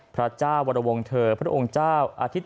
พระเจ้าวรวงเธอพระองค์เจ้าอธิตยธรรมกิติคุณ